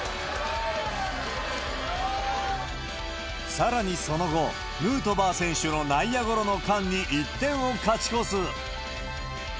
さらにその後、ヌートバー選手の内野ゴロの間に１点を勝ち越す。